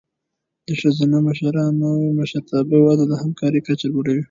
د ښځینه مشرتابه وده د همکارۍ کچه لوړوي.